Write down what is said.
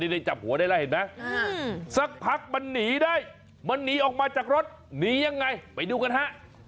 ได้จับหัวได้แล้วเห็นไหมสักพักมันหนีได้มันหนีออกมาจากรถหนียังไงไปดูกันฮะ